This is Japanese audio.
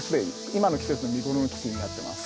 今の季節に見頃の木になってます。